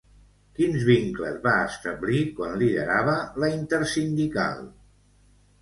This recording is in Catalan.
Quins vincles va establir quan liderava la Intersindical?